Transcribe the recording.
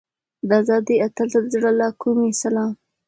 د ازادۍ اتل ته د زړه له کومې سلام.